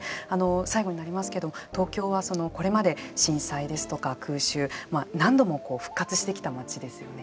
最後になりますけど、東京はこれまで震災ですとか空襲何度も復活してきた街ですよね。